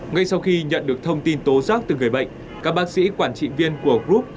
ngay sau khi nhận được thông tin tố giác từ người bệnh các bác sĩ quản trị viên của quốc gia đã đưa ra một bài viết